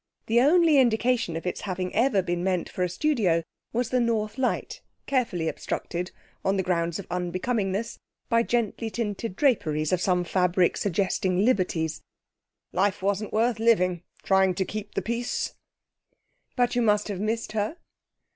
The only indication of its having ever been meant for a studio was the north light, carefully obstructed (on the grounds of unbecomingness) by gently tinted draperies of some fabric suggesting Liberty's. 'Life wasn't worth living, trying to keep the peace!' 'But you must have missed her?'